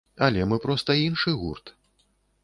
Але мы проста іншы гурт.